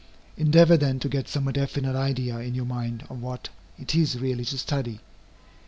Endeavor then to get some definite idea in your mind of what it is really to study.